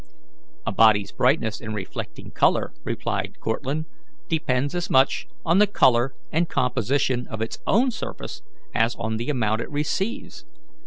"A body's brightness in reflecting light," replied Cortlandt, "depends as much on the colour and composition of its own surface as on the amount it receives.